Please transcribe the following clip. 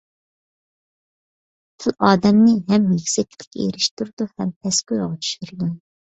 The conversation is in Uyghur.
تىل ئادەمنى ھەم يۈكسەكلىككە ئېرىشتۈرىدۇ ھەم پەسكويغا چۈشۈرىدۇ.